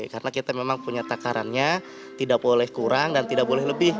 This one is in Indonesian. karena kita memang punya takarannya tidak boleh kurang dan tidak boleh lebih